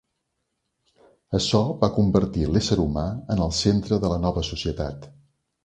Açò va convertir l'ésser humà en el centre de la nova societat.